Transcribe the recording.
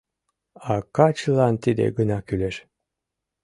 А качылан тиде гына кӱлеш.